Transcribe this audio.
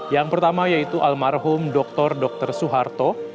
yang pertama yaitu almarhum dr dr suharto